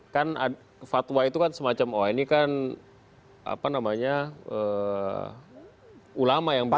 kan fatwa itu kan semacam oh ini kan apa namanya ulama yang berbeda